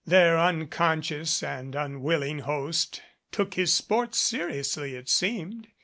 Their unconscious and unwilling host took his sports seriously, it seemed.